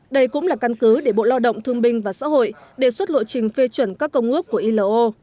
đây cũng là căn cứ để bộ lao động thương binh và xã hội đề xuất lộ trình phê chuẩn các công ước của ilo